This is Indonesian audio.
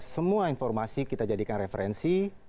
semua informasi kita jadikan referensi